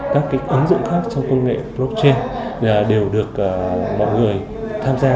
các ứng dụng khác trong công nghệ blockchain đều được mọi người tham gia